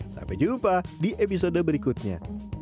sampai jumpa di episode berikutnya